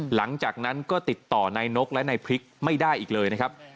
หลังจากนั้นก็ติดต่อนายนกและนายพริกไม่ได้อีกเลยนะครับ